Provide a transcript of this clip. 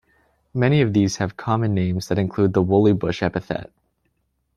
Many of these have common names that include the "woollybush" epithet.